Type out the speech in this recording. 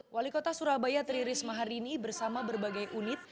wali kota surabaya teriris maharini bersama berbagai unit